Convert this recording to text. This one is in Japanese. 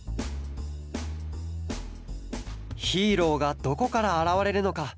ヒーローがどこからあらわれるのか？